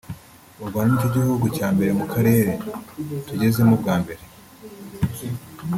u Rwanda nicyo gihugu cya mbere cyo mu Karere tugezemo bwa mbere